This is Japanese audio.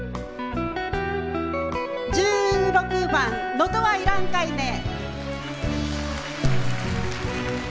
１６番「能登はいらんかいね」。